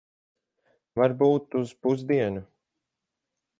Varbūt uz pusdienu.